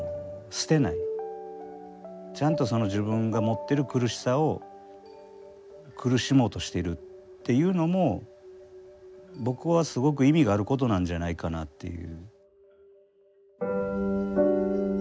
ちゃんとその自分が持ってる苦しさを苦しもうとしているっていうのも僕はすごく意味があることなんじゃないかなっていう。